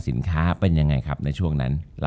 จบการโรงแรมจบการโรงแรม